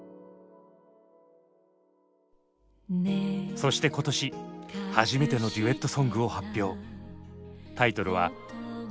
そして今年初めてのデュエットソングを発表。